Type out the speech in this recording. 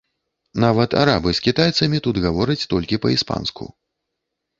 Нават арабы з кітайцамі тут гавораць толькі па-іспанску.